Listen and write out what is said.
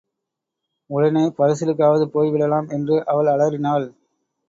உடனே பரிசலுக்காவது போய் விடலாம் என்று அவள் அலறினாள்.